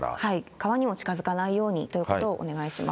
川にも近づかないようにということをお願いします。